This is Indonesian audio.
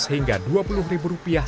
lima belas hingga dua puluh ribu rupiah